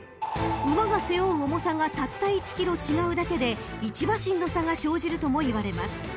［馬が背負う重さがたった１ｋｇ違うだけで１馬身の差が生じるともいわれます］